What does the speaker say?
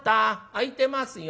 開いてますよ。